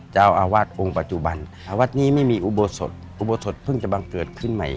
เจ้าอาวาสองค์ปัจจุบันวัดนี้ไม่มีอุโบสถอุโบสถเพิ่งจะบังเกิดขึ้นใหม่